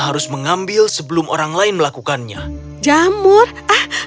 harus mengambil sebelum orang lain melakukannya jamur ah